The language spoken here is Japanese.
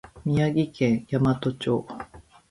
宮城県大和町